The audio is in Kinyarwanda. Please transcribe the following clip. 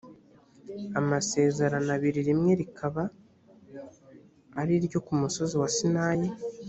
amasezerano abiri rimwe rikaba ari iryo ku musozi wa sinayi